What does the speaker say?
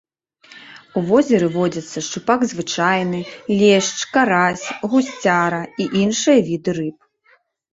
У возеры водзяцца шчупак звычайны, лешч, карась, гусцяра і іншыя віды рыб.